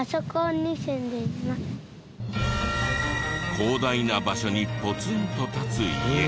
広大な場所にポツンと立つ家。